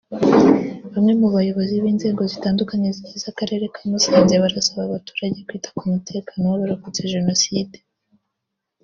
Bamwe mu bayobozi b’inzego zitandukanye zigize Akarere ka Musanze barasaba abaturage kwita ku mutekano w’abarokotse Jenoside